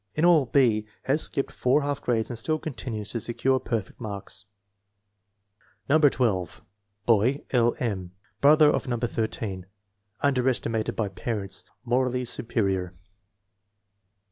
In all, B. has skipped four half grades and still continues to secure perfect marks. No. 12. Boy: L. M. Brother of No. 13. Under estimated by parents. Morally superior.